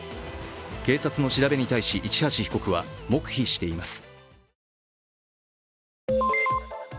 警察の調べに対し市橋被告は黙秘しています。